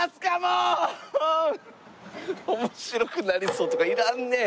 「面白くなりそう」とかいらんねん。